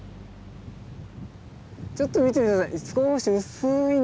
ちょっと見て下さい。